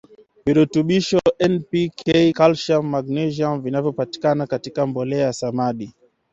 virutubisho N P K Ca Mgs vinavyopatikana katika mbolea ya samadi